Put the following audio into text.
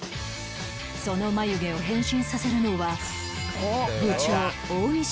その眉毛を変身させるのは部長大西